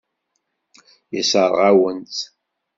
Yessṛeɣ-awen-tt.